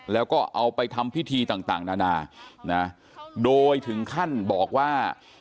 แล้วก็เอาไปทำพิธีต่างนานานะโดยถึงขั้นบอกว่า